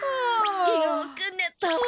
よくねたわ。